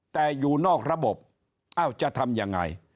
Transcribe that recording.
แต่อยู่นอกระบบจะทำอย่างไร